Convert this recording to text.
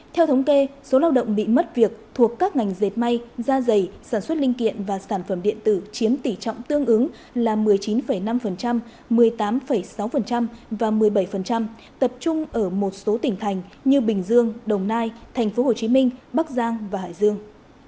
theo thống kê số lao động bị mất việc thuộc các ngành dệt may da dày sản xuất linh kiện và sản phẩm điện tử chiếm tỷ trọng tương ứng là một mươi chín năm một mươi tám sáu và một mươi bảy tập trung ở một số tỉnh thành như bình dương đồng nai tp hcm bắc giang và hải dương